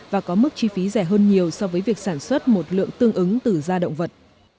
và có mức chi phí rẻ hơn nhiều so với việc sản xuất một lượng tương ứng từ da động vật